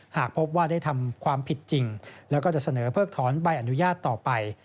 หากพบว่าได้ทำความผิดจริงแล้วก็จะเสนอเพิกถอนใบอนุญาตต่อไป